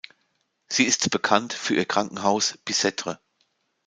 Sie ist bekannt für ihr Krankenhaus Bicêtre.